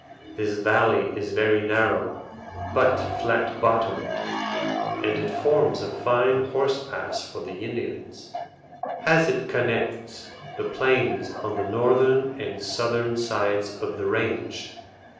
This valley is very narrow, but flat bottomed, and it forms a fine horse pass for the Indians, as it connects the plains on the northern and southern sides of the range.